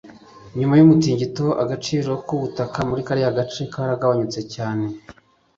nyuma y'umutingito, agaciro k'ubutaka muri kariya gace kagabanutse cyane